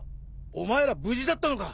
お前ら無事だったのか！